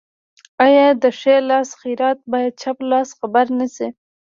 آیا د ښي لاس خیرات باید چپ لاس خبر نشي؟